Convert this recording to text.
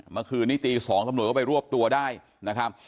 เมื่อคืนนี้ตี๒ตำรวจก็ไปรวบตัวได้นะครับ